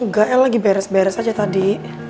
enggak l lagi beres beres aja tadi